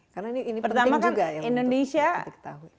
karena ini penting juga ya untuk ketik tahun